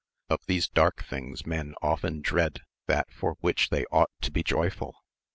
Of these dark things men often dread AMADIS OF GAUL. 79 that for which they ought to be joyful.